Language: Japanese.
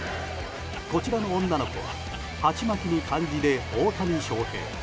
こちらの女の子ははちまきに漢字で大谷翔平。